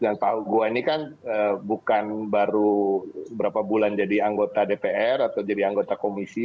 dan pak ugua ini kan bukan baru beberapa bulan jadi anggota dpr atau jadi anggota komisi